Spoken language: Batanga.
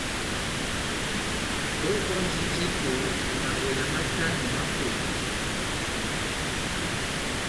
Ópɔndi viko mawela matano ma kolo.